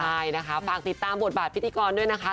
ใช่นะคะฝากติดตามบทบาทพิธีกรด้วยนะคะ